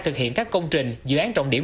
thực hiện các công trình dự án trọng điểm